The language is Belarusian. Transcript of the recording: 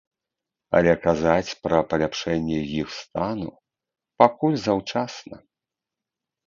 Але казаць пра паляпшэнне іх стану пакуль заўчасна.